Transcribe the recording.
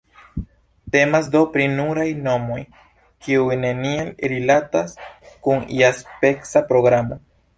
Temas do pri nuraj nomoj, kiuj neniel rilatas kun iaspeca programo.